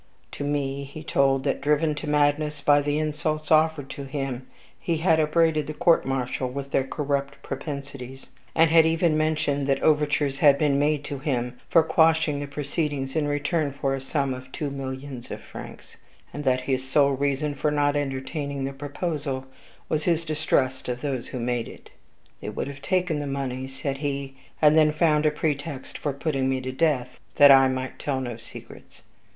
To me he told that, driven to madness by the insults offered to him, he had upbraided the court martial with their corrupt propensities, and had even mentioned that overtures had been made to him for quashing the proceedings in return for a sum of two millions of francs; and that his sole reason for not entertaining the proposal was his distrust of those who made it. 'They would have taken my money,' said he, 'and then found a pretext for putting me to death, that I might tell no secrets.'